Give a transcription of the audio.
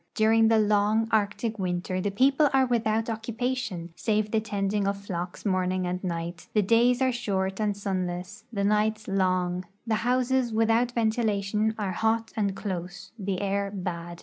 During the long Arctic winter the people are without occu])ation, save the tending of flocks morning and night ; the days are short and sunless y*tlie nights long; the houses, Avithout ventilation, are hot and close ; the air bad.